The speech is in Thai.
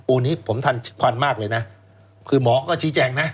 อันนี้ผมทันควันมากเลยนะคือหมอก็ชี้แจงนะ